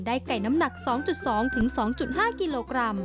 ไก่น้ำหนัก๒๒๒๕กิโลกรัม